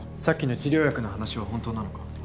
さっきの治療薬の話は本当なのか？